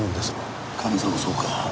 カメさんもそうか。